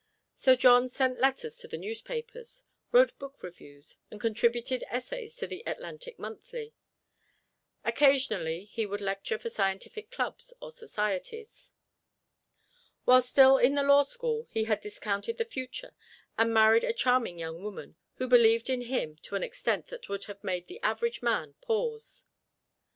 So John sent letters to the newspapers, wrote book reviews, and contributed essays to the "Atlantic Monthly." Occasionally, he would lecture for scientific clubs or societies. While still in the Law School he had discounted the future and married a charming young woman, who believed in him to an extent that would have made the average man pause.